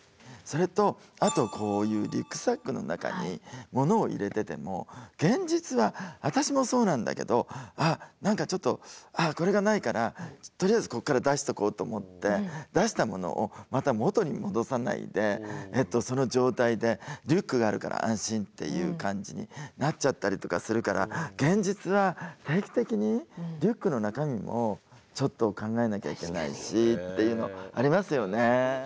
あとこういうリュックサックの中にものを入れてても現実は私もそうなんだけどあっ何かちょっとこれがないからとりあえずここから出しとこうと思ってその状態でリュックがあるから安心っていう感じになっちゃったりとかするから現実は定期的にリュックの中身もちょっと考えなきゃいけないしっていうのありますよね。